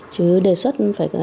chứ đề xuất